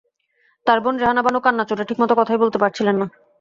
তাঁর বোন রেহানা বানু কান্নার চোটে ঠিকমতো কথাই বলতে পারছিলেন না।